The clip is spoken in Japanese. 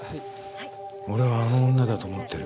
俺はあの女だと思ってる。